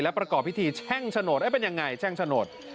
และประกอบพิธีแช่งฉโนตเป็นอย่างไรแช่งฉโนต